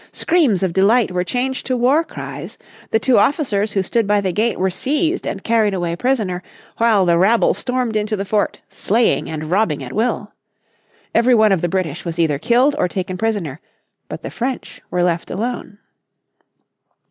Screams of delight were changed to war cries. The two officers who stood by the gate were seized and carried away prisoner, while the rabble stormed into the fort slaying and robbing at will. Every one of the British was either killed or taken prisoner, but the French were left alone.